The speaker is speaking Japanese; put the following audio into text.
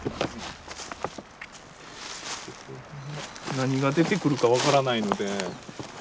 何が出てくるか分からないので。